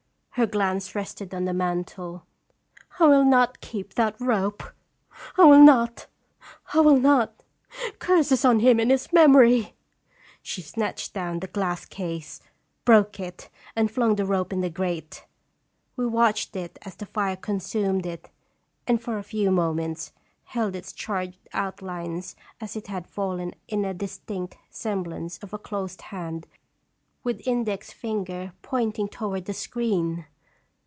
Her glance rested on the mantel. " I will not keep Strag fteueUr. 87 that rope. I will not! I will not ! Curses on him and his memory !" She snatched down the glass case, broke it, and flung the rope in the grate. We watched it as the fire consumed it and for a few mo ments held its charred outlines as it had fallen in a distinct semblance of a closed hand with index finger pointing toward the screen